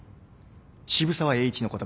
渋沢栄一の言葉だ。